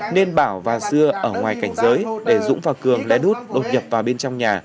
nên bảo và dưa ở ngoài cảnh giới để dũng và cường lét đột nhập vào bên trong nhà